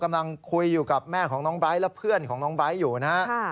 กำลังคุยอยู่กับแม่ของน้องไบท์และเพื่อนของน้องไบท์อยู่นะฮะ